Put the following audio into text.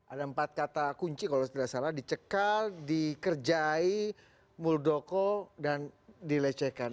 ada empat kata kunci kalau tidak salah dicekal dikerjai muldoko dan dilecehkan